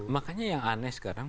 makanya yang aneh sekarang